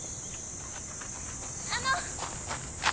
あの。